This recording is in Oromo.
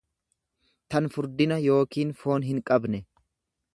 tan furdina yookiin foon hinqabne.